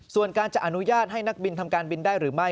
ส่วนการจะอนุญาตให้นักบินทำการบินได้หรือไม่